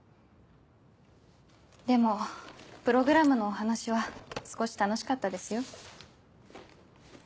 でもプログラムのお話は少し楽しかったですよ。